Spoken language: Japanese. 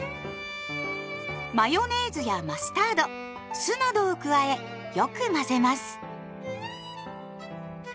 マヨネーズやマスタード酢などを加えよく混ぜます。